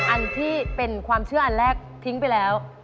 อันที่เป็นความเชื่ออันแรกทิ้งไปแล้ว